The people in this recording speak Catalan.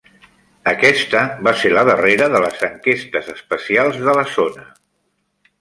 Aquesta va ser la darrera de les enquestes especials de la zona.